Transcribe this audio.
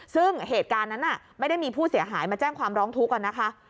ซึ่งเหตุการณ์นั้นไม่ได้มีผู้เสียหายมาแจ้งความร้องทุกข์นะคะ